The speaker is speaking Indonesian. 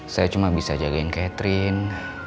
saya cuma bisa jagain catherine